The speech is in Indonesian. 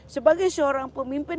sebagai seorang pemimpin